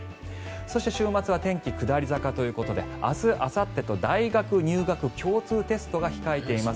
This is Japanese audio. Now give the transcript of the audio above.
そして、週末は天気下り坂ということで明日、あさってと大学入学共通テストが控えています。